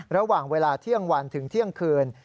ระหว่างเวลาเที่ยงวันถึงเที่ยงคืน